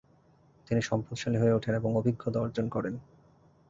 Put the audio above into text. তিনি সম্পদশালী হয়ে উঠেন এবং অভিজ্ঞতা অর্জন করেন।